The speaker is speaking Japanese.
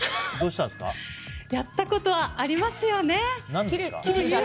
やったことはありますよね。